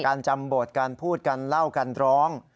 การจำบทการพูดกันเล่ากันร้อง